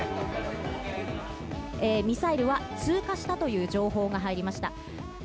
ミサイルは通過したという情報が入りました。